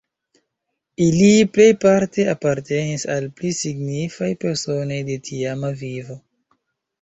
Ili plejparte apartenis al pli signifaj personoj de tiama vivo.